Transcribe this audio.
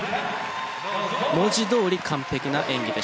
文字どおり完璧な演技でした。